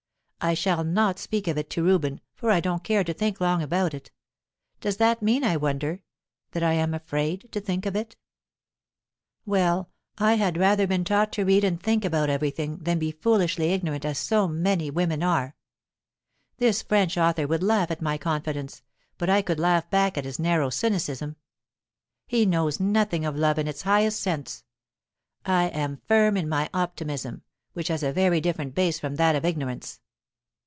I shall not speak of it to Reuben, for I don't care to think long about it. Does that mean, I wonder, that I am afraid to think of it? "Well, f had rather have been taught to read and think about everything, than be foolishly ignorant as so many women are. This French author would laugh at my confidence, but I could laugh back at his narrow cynicism. He knows nothing of love in its highest sense. I am firm in my optimism, which has a very different base from that of ignorance.